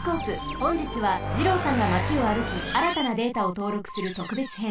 ほんじつは二朗さんが町をあるきあらたなデータをとうろくするとくべつへん。